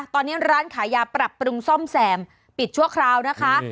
ตอนนี้ร้านขายยาปรับปรุงซ่อมแซมปิดชั่วคราวนะคะ